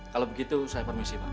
kalau begitu saya permisi pak